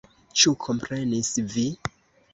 Ĉu komprenis vi?